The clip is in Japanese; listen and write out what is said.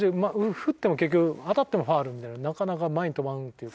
振っても結局当たってもファウルみたいななかなか前に飛ばんっていうか。